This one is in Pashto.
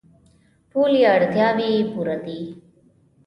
ټولې اړتیاوې یې پوره دي.